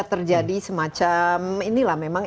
terjadi semacam inilah memang